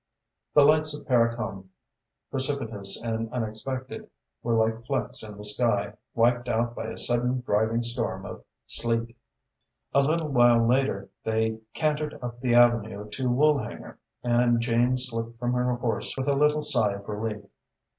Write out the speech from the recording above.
The lights of Parracombe, precipitous and unexpected, were like flecks in the sky, wiped out by a sudden driving storm of sleet. A little while later they cantered up the avenue to Woolhanger and Jane slipped from her horse with a little sigh of relief.